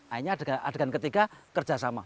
akhirnya adegan ketiga kerjasama